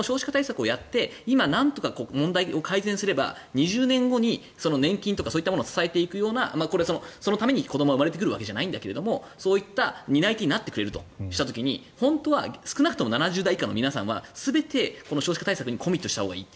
この少子化対策をやって今、なんとか改善すれば２０年後に年金とかそういったものを支えていくようなそのために生まれてくるんじゃないけどそういった担い手になる時に少なくとも７０代以下の皆さんは全てこの少子化対策にコミットしたほうがいい。